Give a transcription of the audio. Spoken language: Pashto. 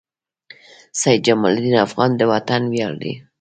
سيد جمال الدین افغان د وطن وياړ دي.